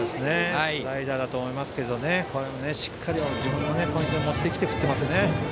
スライダーだと思いますがしっかり自分のポイントに持ってきて振っていますね。